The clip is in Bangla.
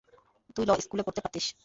তুই ল স্কুলে পড়তে পারতিস।